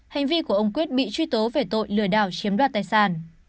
hành vi của ông quyết bị truy tố về tội lừa đảo chiếm đoạt tài sản